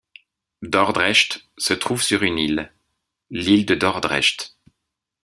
Dordrecht se trouve sur une île: l'île de Dordrecht.